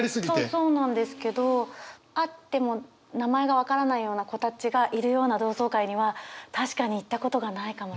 そうなんですけど会っても名前が分からないような子たちがいるような同窓会には確かに行ったことがないかもしれない。